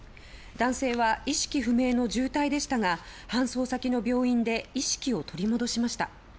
男性は、意識不明の重体でしたが搬送先の病院で意識を取り戻しました。